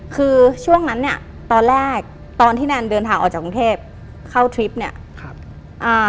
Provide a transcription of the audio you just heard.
คือช่วงนั้นเนี่ยตอนแรกตอนที่แนนเดินทางออกจากกรุงเทพเข้าทริปเนี่ยครับอ่า